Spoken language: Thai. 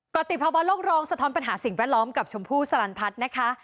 ก็ติดภาวะโลกร้องสะท้อนปัญหาสิ่งแวดล้อมกับชมพู่สลันพัฒน์นะคะ